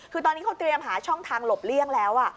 คือตอนนี้เขาเตรียมหาช่องทางหลบเลี่ยงแล้ว